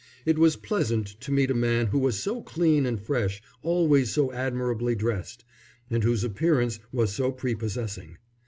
It was pleasant to meet a man who was so clean and fresh, always so admirably dressed, and whose appearance was so prepossessing.